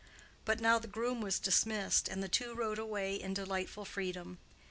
But now the groom was dismissed, and the two rode away in delightful freedom.